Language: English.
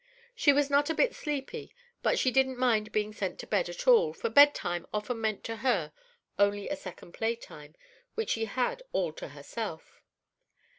She was not a bit sleepy, but she didn't mind being sent to bed, at all, for bedtime often meant to her only a second playtime which she had all to herself.